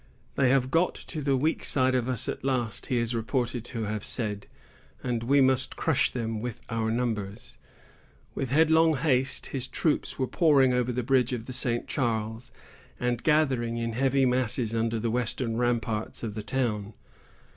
"They have got to the weak side of us at last," he is reported to have said, "and we must crush them with our numbers." With headlong haste, his troops were pouring over the bridge of the St. Charles, and gathering in heavy masses under the western ramparts of the town.